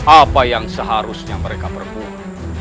apa yang seharusnya mereka berbuat